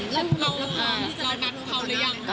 แล้วเรานัดเขาหรือยังคะ